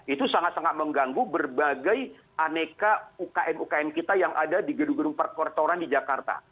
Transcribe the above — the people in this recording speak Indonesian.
itu sangat sangat mengganggu berbagai aneka ukm ukm kita yang ada di gedung gedung perkortoran di jakarta